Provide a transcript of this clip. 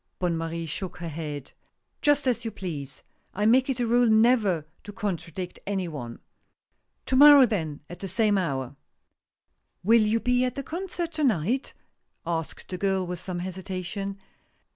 Bonne Marie shook her head. "Just as you please ; I make it a rule never to con tradict any one. To morrow then, at the same hour." " Will you be at the concert to night ?" asked the girl, with some hesitation.